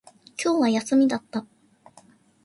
今日は休みだった